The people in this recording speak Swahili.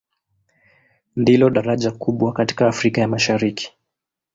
Ndilo daraja kubwa katika Afrika ya Mashariki.